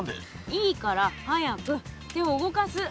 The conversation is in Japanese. いいから！早く手を動かす！